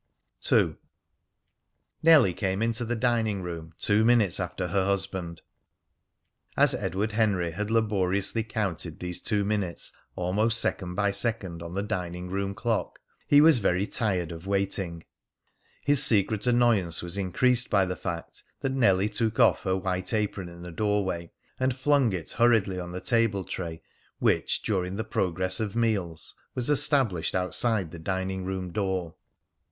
II. Nellie came into the dining room two minutes after her husband. As Edward Henry had laboriously counted these two minutes almost second by second on the dining room clock, he was very tired of waiting. His secret annoyance was increased by the fact that Nellie took off her white apron in the doorway and flung it hurriedly on to the table tray which, during the progress of meals, was established outside the dining room door.